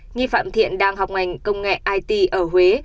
nghi phạm thiện đang học ngành công nghệ it ở huế